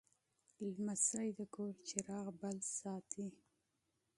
لمسی د کور چراغ بل ساتي.